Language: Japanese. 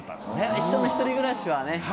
最初の１人暮らしはね。